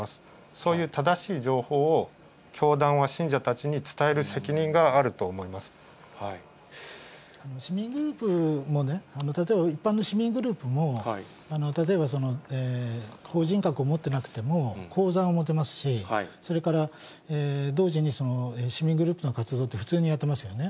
そういう正しい情報を教団は信者たちに伝える責任があると思いま市民グループもね、例えば一般の市民グループも、例えば法人格を持っていなくても口座は持てますし、それから同時に、市民グループの活動って、普通にやってますよね。